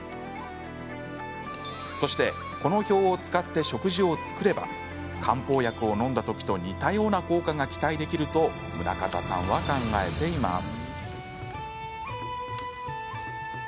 そして、この表を使って食事を作れば漢方薬をのんだときと似たような効果が期待できると宗形さんは考えています。